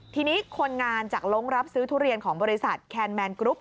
ทีนี้คนงานจากลงรับซื้อทุเรียนของบริษัทแคนแมนกรุ๊ป